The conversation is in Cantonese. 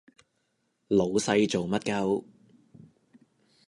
老細做乜 𨳊